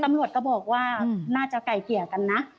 ตำรวจก็บอกว่าน่าจะไก่เกลี่ยกันนะ